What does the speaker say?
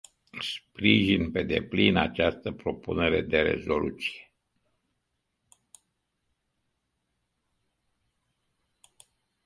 Sprijin pe deplin această propunere de rezoluție.